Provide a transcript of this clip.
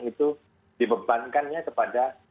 itu dibebankannya kepada